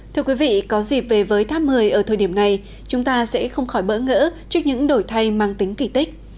thưa quý vị có dịp về với tháp một mươi ở thời điểm này chúng ta sẽ không khỏi bỡ ngỡ trước những đổi thay mang tính kỳ tích